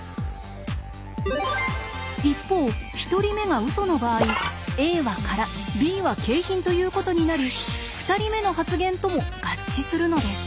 一方１人目がウソの場合「Ａは空Ｂは景品」ということになり２人目の発言とも合致するのです。